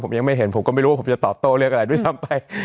ผมยังไม่เห็นผมก็ไม่รู้ว่าผมจะตอบโต้เรียกอะไรด้วยซ้ำไป